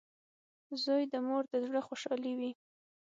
• زوی د مور د زړۀ خوشحالي وي.